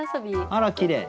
あらきれい。